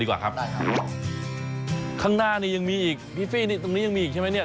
กว่าครับได้ครับข้างหน้านี่ยังมีอีกพี่ฟี่นี่ตรงนี้ยังมีอีกใช่ไหมเนี่ย